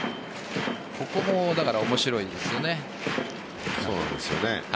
ここも面白いですよね。